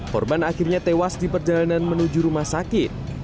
korban akhirnya tewas di perjalanan menuju rumah sakit